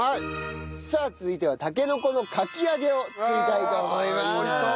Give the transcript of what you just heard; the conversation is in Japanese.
さあ続いてはたけのこのかき揚げを作りたいと思います！